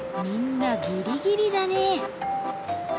みんなギリギリだね。